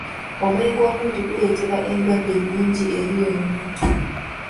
Omwenge omungi guleetera endwadde nnyingi eri omuntu.